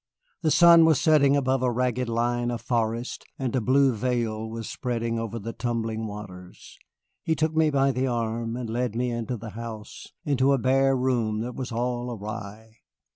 The sun was setting above the ragged line of forest, and a blue veil was spreading over the tumbling waters. He took me by the arm and led me into the house, into a bare room that was all awry.